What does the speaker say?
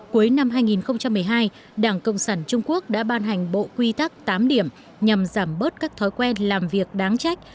cuối năm hai nghìn một mươi hai đảng cộng sản trung quốc đã ban hành bộ quy tắc tám điểm nhằm giảm bớt các thói quen làm việc đáng trách